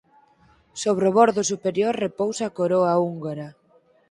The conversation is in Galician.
Sobre o bordo superior repousa a coroa húngara.